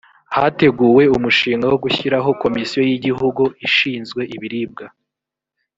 hateguwe umushinga wo gushyiraho komisiyo y igihugu ishinzwe ibiribwa